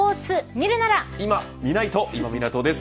いまみないと、今湊です。